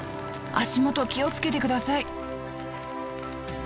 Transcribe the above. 足元気を付けて下さい！